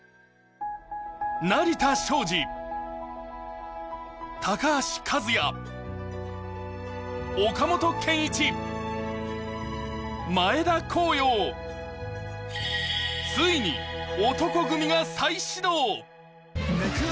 成田昭次、高橋和也、岡本健一、前田耕陽、ついに男闘呼組が再始動。